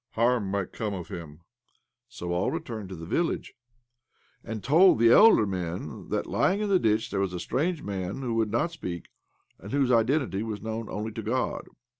Harm might come of him." So all returned to the village, and told the elder men that, lying in a ditch, there OBLOMOV 87 was a strange man who would not speak, and whose identity was known only to God.